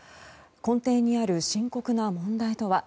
根底にある深刻な問題とは。